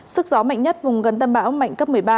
sức gió mạnh nhất vùng gần tâm bão mạnh cấp một mươi ba